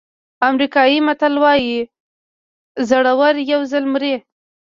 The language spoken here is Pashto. امریکایي متل وایي زړور یو ځل مري.